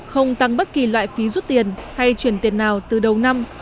không tăng bất kỳ loại phí rút tiền hay chuyển tiền nào từ đầu năm